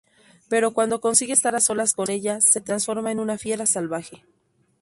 Pero cuando consigue estar a solas con ellas se transforma en una fiera salvaje.